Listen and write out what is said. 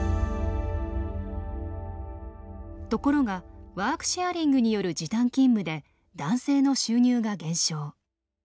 ところがワークシェアリングによる時短勤務で男性の収入が減少。